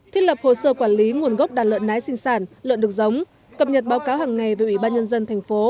thiết lập hồ sơ quản lý nguồn gốc đàn lợn nái sinh sản lợn đực giống cập nhật báo cáo hàng ngày về ủy ban nhân dân thành phố